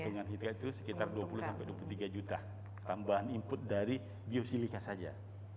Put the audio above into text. jadi hitungan hitungan itu sekitar dua puluh dua puluh tiga juta tambahan input dari biosilika saja